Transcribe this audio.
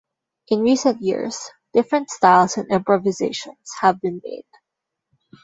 In recent years, different styles and improvisations have been made.